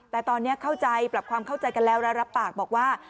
แต่ตอนนี้เข้าใจปรับความเข้าใจกันแล้วและรับปากบอกว่า